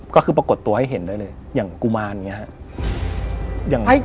ก็คือปรากฏตัวให้เห็นได้เลยอย่างกุมารอย่างนี้ครับ